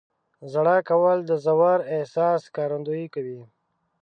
• ژړا کول د ژور احساس ښکارندویي کوي.